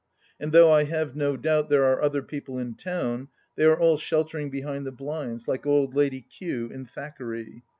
And though I have no doubt there are other people in town, they are all shelter ing behind the blinds, like old Lady Kew in Thackeray.